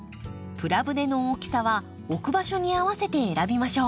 プラ舟の大きさは置く場所に合わせて選びましょう。